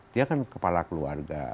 dia kan kepala keluarga